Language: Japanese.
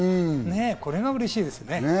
これが嬉しいですね。